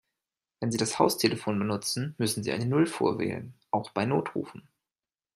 Wenn Sie das Haustelefon benutzen, müssen Sie eine Null vorwählen, auch bei Notrufen.